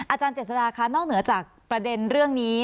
เจษฎาคะนอกเหนือจากประเด็นเรื่องนี้